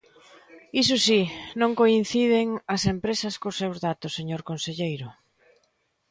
Iso si, non coinciden as empresas cos seus datos, señor conselleiro.